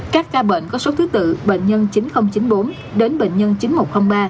các ca bệnh có số thứ tự bệnh nhân chín nghìn chín mươi bốn đến bệnh nhân chín nghìn một trăm linh ba